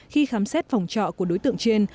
khi khám xét phòng trọ của đối tượng trên